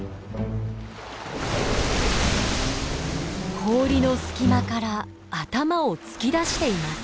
氷の隙間から頭を突き出しています。